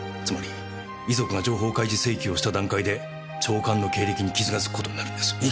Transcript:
つまり遺族が情報開示請求をした段階で長官の経歴に傷がつく事になるんです。